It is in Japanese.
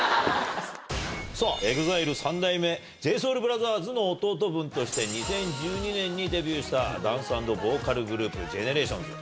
さあ、ＥＸＩＬＥ三代目ＪＳＯＵＬＢＲＯＴＨＥＲＳの弟分として２０１２年にデビューしたダンス＆ボーカルグループ、ＧＥＮＥＲＡＴＩＯＮＳ。